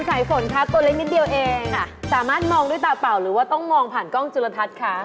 สายฝนคะตัวเล็กนิดเดียวเองสามารถมองด้วยตาเปล่าหรือว่าต้องมองผ่านกล้องจุลทัศน์คะ